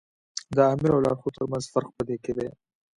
د آمر او لارښود تر منځ فرق په دې کې دی.